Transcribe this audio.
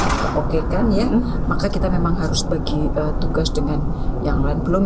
semua dapat kita apa namanya kita oke kan ya maka kita memang harus bagi tugas dengan yang lain belum